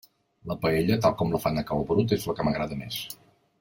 La paella tal com la fan a cal Brut és la que m'agrada més.